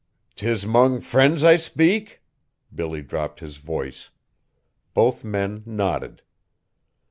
"'T is 'mong friends I speak?" Billy dropped his voice. Both men nodded.